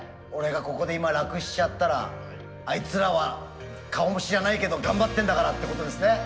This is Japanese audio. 俺がここで今楽しちゃったらあいつらは顔も知らないけど頑張ってんだからってことですね。